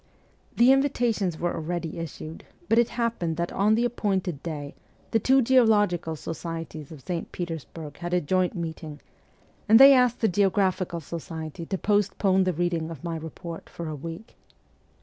The invitations were already issued, but it happened that on the appointed day the two geological societies of St. Petersburg had a joint meeting, and they asked the Geographical Society to postpone the reading of my report for a week.